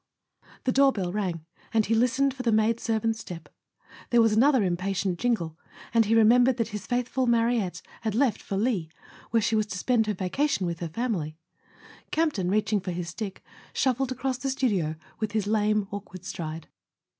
The doorbell rang, and he listened for the maid¬ servant's step. There was another impatient jingle, and he remembered that his faithful Mariette had left for Lille, where she was to spend her vacation with her family. Campton, reaching for his stick, shuffled across the studio with his lame awkward stride.